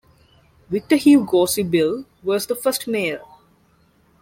Victor Hugo Sibille was the first mayor.